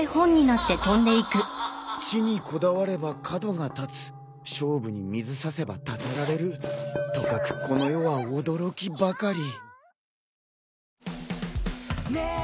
知にこだわれば角が立つ勝負に水させばたたられるとかくこの世は驚きばかり。